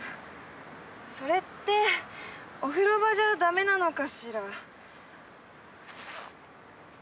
それってお風呂場じゃ駄目なのかしら？